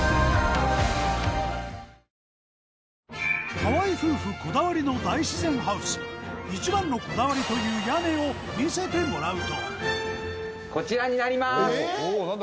河合夫婦こだわりの一番のこだわりという屋根を見せてもらうとこちらになります！